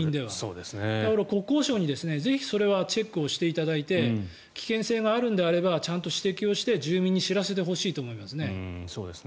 だから、国交省にぜひそれはチェックをしていただいて危険性があるのであればちゃんと指摘をして住民に知らせてほしいと思います。